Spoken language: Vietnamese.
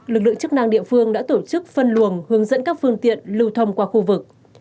lực lượng chức năng địa phương đã tổ chức phân luồng hướng dẫn các phương tiện lưu thông qua khu vực